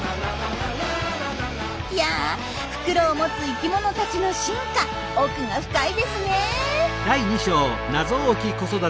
いや袋を持つ生きものたちの進化奥が深いですね！